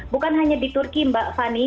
bukan hanya di turki mbak fani